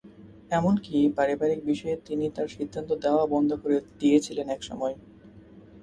এমনকি পারিবারিক বিষয়ে তিনি তার সিদ্ধান্ত দেওয়াও বন্ধ করে দিয়েছিলেন একসময়।